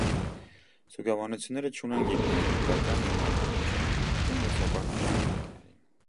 Ստուգաբանությունները չունեն գիտական հիմնավորում եւ չեն ենթարկվում լեզվաբանական օրենքներին։